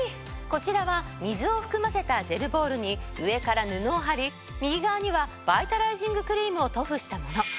こちらは水を含ませたジェルボールに上から布を貼り右側にはバイタライジングクリームを塗布したもの。